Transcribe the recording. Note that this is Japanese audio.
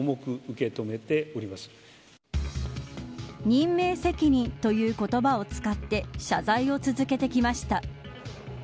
任命責任という言葉を使って謝罪を続けてきました。